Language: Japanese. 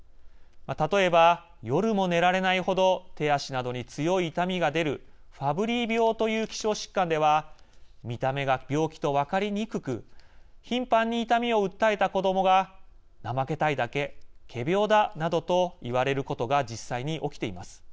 例えば、夜も寝られない程手足などに強い痛みが出るファブリー病という希少疾患では見た目が病気と分かりにくく頻繁に痛みを訴えた子どもが怠けたいだけ、仮病だなどと言われることが実際に起きています。